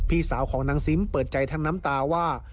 พี่สาวของนางซิมเปิดใจทั้งน้ำตาว่า